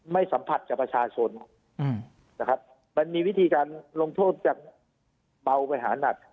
สัมผัสกับประชาชนนะครับมันมีวิธีการลงโทษจากเบาไปหานัก